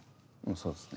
そうですね。